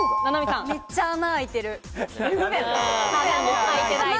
めっちゃ穴、開いてる。